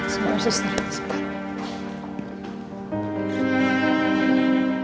semoga berhasil sendiri sebentar